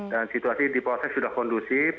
dan situasi di polsek sudah kondusif